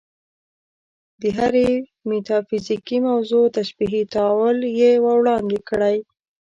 د هرې میتافیزیکي موضوع تشبیهي تأویل یې وړاندې کړی.